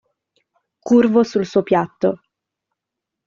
Curvo sul suo piatto.